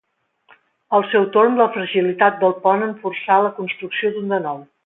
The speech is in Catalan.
Al seu torn, la fragilitat del pont en forçà la construcció d'un de nou.